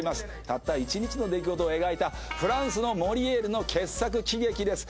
たった１日のできごとを描いたフランスのモリエールの傑作喜劇です